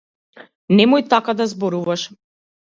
Немој така да зборуваш.